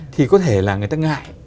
thì có thể là người ta ngại